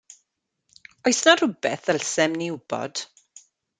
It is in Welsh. Oes 'na rywbeth ddylsem ni wybod?